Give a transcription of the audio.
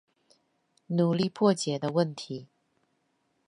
努力破解的問題